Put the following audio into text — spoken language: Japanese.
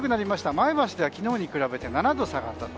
前橋では、昨日に比べて７度下がったと。